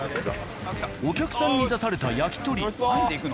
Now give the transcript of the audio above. お客さんに出されたやきとり。